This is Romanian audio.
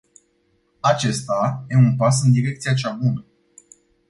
Acesta e un pas în direcția cea bună.